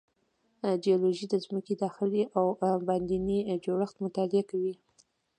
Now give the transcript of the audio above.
جیولوجی د ځمکې داخلي او باندینی جوړښت مطالعه کوي.